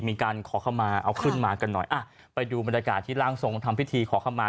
มีการขอเข้ามาเอาขึ้นมากันหน่อยอ่ะไปดูบรรยากาศที่ร่างทรงทำพิธีขอเข้ามา